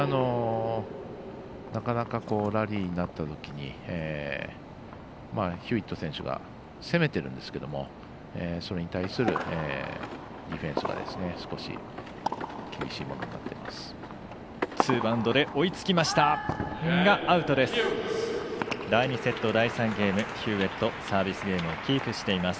なかなかラリーになったときにヒューウェット選手が攻めてるんですけどそれに対するディフェンスが少し厳しいものになっています。